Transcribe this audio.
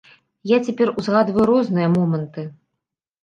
Я цяпер узгадваю розныя моманты.